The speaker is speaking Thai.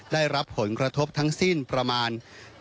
ได้รับผลกระทบทั้งสิ้นประมาณ